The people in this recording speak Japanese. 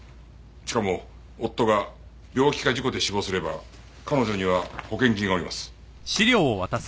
しかも夫が病気か事故で死亡すれば彼女には保険金がおります。